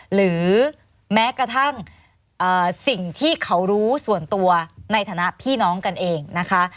หรือแม้กระทั่งสิ่งที่เขารู้ส่วนตัวในฐานะพี่น้องกันเองนะคะ